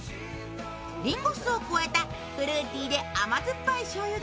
リンゴ酢を加えたフルーティーで甘酸っぱいしょうゆ